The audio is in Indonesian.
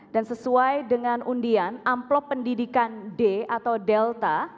dan sesuai dengan undian amplop pendidikan d atau delta